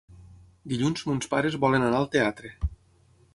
Dilluns mons pares volen anar al teatre.